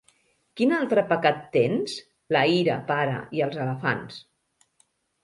—Quin altre pecat tens? —La ira, pare. I els elefants.